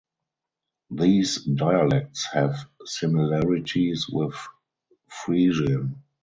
These dialects have similarities with Frisian.